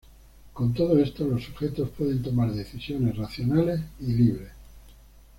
Con todo esto los sujetos pueden tomar decisiones racionales y libres.